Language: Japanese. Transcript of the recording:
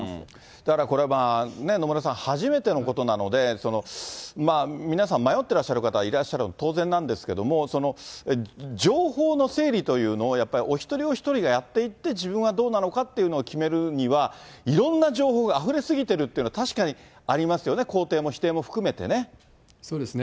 だから、これは野村さん、初めてのことなので、皆さん、迷ってらっしゃる方いらっしゃるの当然なんですけども、情報の整理というのをやっぱり、お一人お一人がやっていって、自分はどうなのかっていうのを決めるには、いろんな情報があふれ過ぎてるっていうのは確かにありますよね、そうですね。